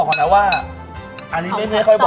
แก้วอาจารย์เล็กไหม